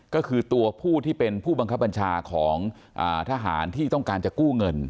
ก็คือตัวผู้ที่เป็นผู้บังคับบัญชาของทหารที่ต้องการจะกู้เงิน